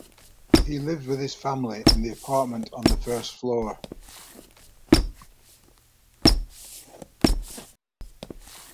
He lived with his family in the apartment on the first floor.